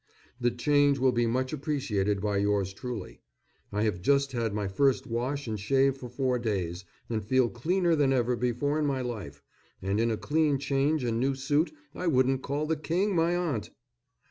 The change will be much appreciated by yours truly. I have just had my first wash and shave for four days, and feel cleaner than ever before in my life; and in a clean change and new suit I wouldn't call the King my aunt!